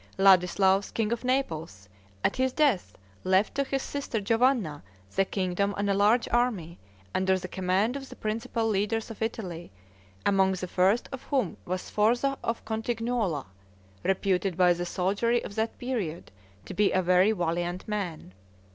Ladislaus, king of Naples, at his death, left to his sister Giovanna the kingdom and a large army, under the command of the principal leaders of Italy, among the first of whom was Sforza of Cotignuola, reputed by the soldiery of that period to be a very valiant man.